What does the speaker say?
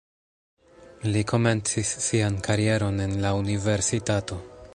Li komencis sian karieron en la universitato.